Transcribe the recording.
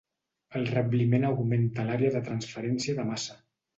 El rebliment augmenta l’àrea de transferència de massa.